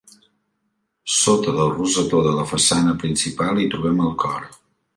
Sota del rosetó de la façana principal hi trobem el cor.